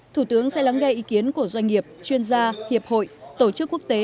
thủ tướng sẽ lắng nghe ý kiến của doanh nghiệp chuyên gia hiệp hội tổ chức quốc tế